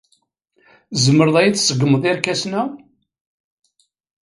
Tzemreḍ ad iyi-tṣeggmeḍ irkasen-a?